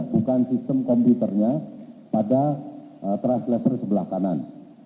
bukan sistem komputernya pada truss lever sebelah kanan